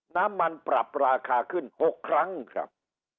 น้ำมันปรับราคาขึ้น๖ครั้งครับ